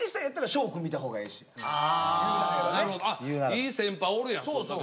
いい先輩おるやん。